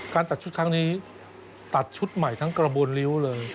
ตัดชุดครั้งนี้ตัดชุดใหม่ทั้งกระบวนริ้วเลย